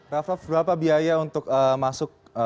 rafa berapa biaya untuk masuk ke banten